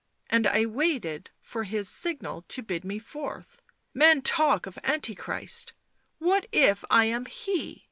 and I waited for his signal to bid me forth. Men talk of Antichrist ! What if I am he V ...